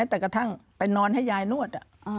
แต่กระทั่งไปนอนให้ยายนวด